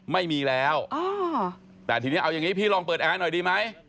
ไม่มีแล้วแต่ทีนี้เอาอย่างนี้พี่ลองเปิดแอร์หน่อยดีไหม